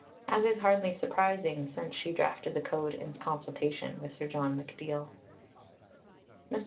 As is hardly surprising, since she drafted the Code in consultation with Sir John McNeill. Mr.